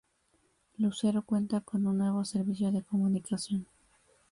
Lucero cuenta con un nuevo servicio de comunicación.